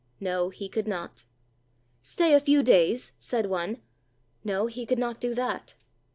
No, he could not. "Stay a few days," said one. No, he could not do that.